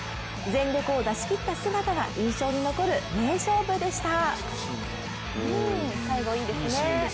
全力を出し切った姿が印象に残る名勝負でした。